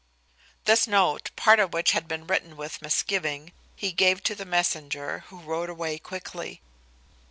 This note, part of which had been written with misgiving, he gave to the messenger, who rode away quickly.